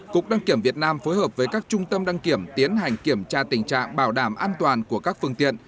cục đăng kiểm việt nam phối hợp với các trung tâm đăng kiểm tiến hành kiểm tra tình trạng bảo đảm an toàn của các phương tiện